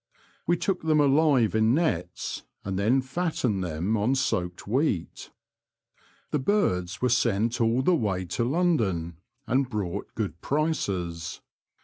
We took them alive in nets, and then fattened them on soaked wheat. The birds were sent all the way to London, and brought good prices.